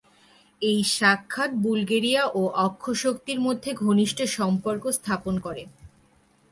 এই সাক্ষাৎ বুলগেরিয়া ও অক্ষশক্তির মধ্যে ঘনিষ্ঠ সম্পর্ক স্থাপন করে।